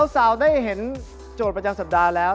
สาวได้เห็นโจทย์ประจำสัปดาห์แล้ว